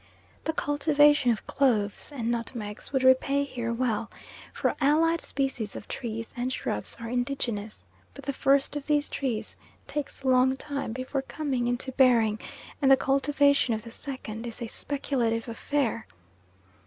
The cultivation of cloves and nutmegs would repay here well, for allied species of trees and shrubs are indigenous, but the first of these trees takes a long time before coming into bearing and the cultivation of the second is a speculative affair.